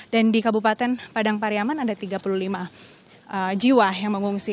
dan di kabupaten padang pariaman ada tiga puluh lima jiwa yang mengungsi